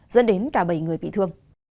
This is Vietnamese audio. dẫn đến cả bảy người bị thương